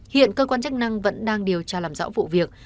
hiện cơ quan chức năng vẫn đang điều tra làm rõ vụ việc